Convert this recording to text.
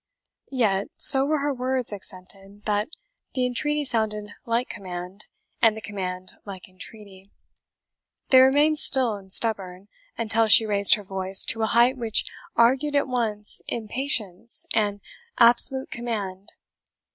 Yet, so were her words accented, that the entreaty sounded like command, and the command like entreaty. They remained still and stubborn, until she raised her voice to a height which argued at once impatience and absolute command.